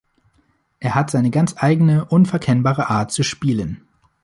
Er hat seine ganz eigene unverkennbare Art zu spielen.